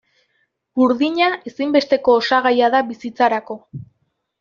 Burdina ezinbesteko osagaia da bizitzarako.